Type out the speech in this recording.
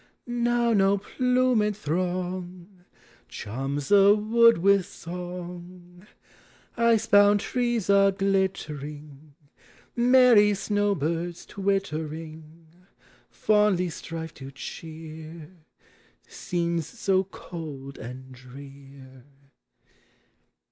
Now no plumed throng Charms the wood with song; lee bound trees are glittering; Merry snow birds, twittering, Fondly strive to cheer Scenes so cold and drear.